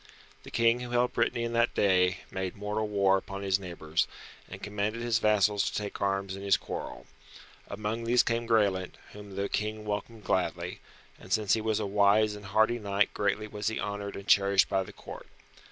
The King who held Brittany in that day, made mortal war upon his neighbours, and commanded his vassals to take arms in his quarrel. Amongst these came Graelent, whom the King welcomed gladly, and since he was a wise and hardy knight greatly was he honoured and cherished by the Court.